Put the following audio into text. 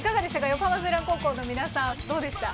横浜翠嵐高校の皆さんどうでした？